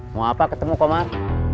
mau apa ketemu komar